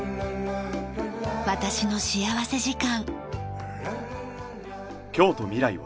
『私の幸福時間』。